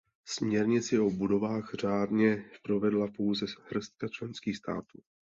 Směrnici o budovách řádně provedla pouze hrstka členských států.